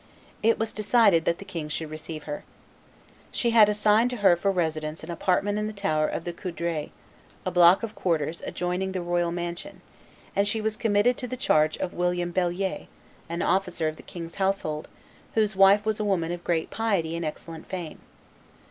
It was decided that the king should receive her. She had assigned to her for residence an apartment in the tower of the Coudray, a block of quarters adjoining the royal mansion, and she was committed to the charge of William Bellier, an officer of the king's household, whose wife was a woman of great piety and excellent fame.